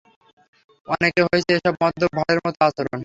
অনেক হয়েছে এসব মদ্যপ ভাঁড়ের মতো আচরণ!